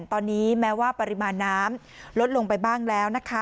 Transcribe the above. ตอนนี้แม้ว่าปริมาณน้ำลดลงไปบ้างแล้วนะคะ